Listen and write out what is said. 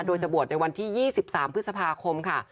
โดยจะบวชในวันที่๒๓พฤษภาคมค่ะ